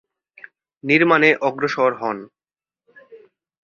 নির্মাণে অগ্রসর হন।